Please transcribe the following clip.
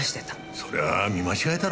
そりゃあ見間違いだろ？